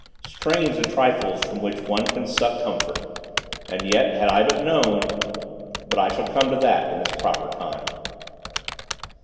Strange, the trifles from which one can suck comfort! And yet, had I but known But I shall come to that in its proper time.